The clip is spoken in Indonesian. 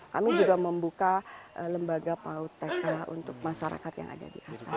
kami juga membuka lembaga paut tk untuk masyarakat yang ada di atas